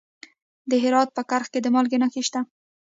د هرات په کرخ کې د مالګې نښې شته.